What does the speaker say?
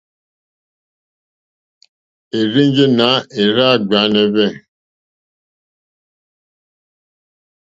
Érzènjé nà érzàɡbèáɛ́nɛ́hwɛ́.